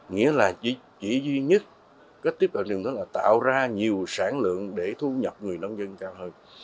nghĩa là chỉ duy nhất cách tiếp cận rừng đó là tạo ra nhiều sản lượng để thu nhập người nông dân cao hơn